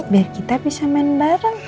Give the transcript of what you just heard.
biar kita bisa main bareng